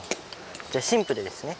じゃあシンプルですね。